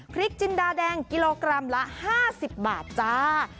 จินดาแดงกิโลกรัมละ๕๐บาทจ้า